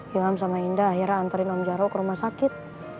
ilham sama indah akhirnya antarin om jaro ke rumah sakit